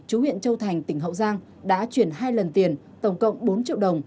chú huyện châu thành tỉnh hậu giang đã chuyển hai lần tiền tổng cộng bốn triệu đồng